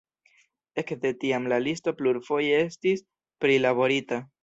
Ekde tiam la listo plurfoje estis prilaborita.